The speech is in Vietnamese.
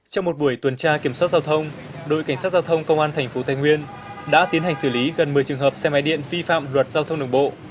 trong một buổi tuần tra kiểm soát giao thông đội cảnh sát giao thông công an thành phố thái nguyên đã tiến hành xử lý gần một mươi trường hợp xe máy điện vi phạm luật giao thông đường bộ